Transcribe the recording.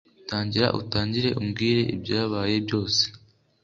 tangira utangire umbwire ibyabaye byose